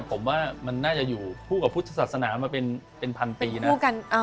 ผมว่ามันน่าจะอยู่คู่กับพุทธศาสนามาเป็นพันปีนะ